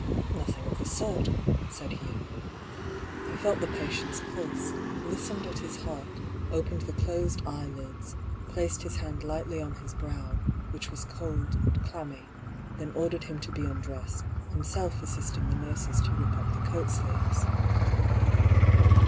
" Nothing of the sort," said Hugh. He felt the pa tient's pulse, listened at his heart, opened the closed eye lids, placed his hand lightly on his brow, which was cold and clammy, then ordered him to be undressed, himself assisting the nurses to rip up the coat sleeves.